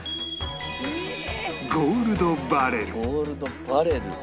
ゴールドバレル。